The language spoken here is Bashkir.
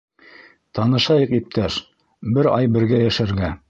Танышайыҡ, иптәш, бер ай бергә йәшәргә.